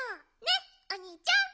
ねっおにいちゃん！